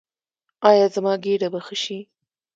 ایا زما ګیډه به ښه شي؟